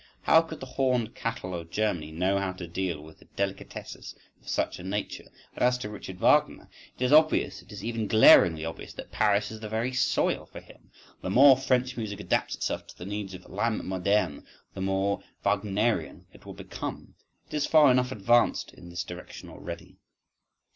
How could the horned cattle of Germany know how to deal with the délicatesses of such a nature!—And as to Richard Wagner, it is obvious, it is even glaringly obvious, that Paris is the very soil for him, the more French music adapts itself to the needs of l'âme moderne, the more Wagnerian it will become,—it is far enough advanced in this direction already.